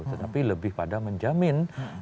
tetapi lebih pada menjamin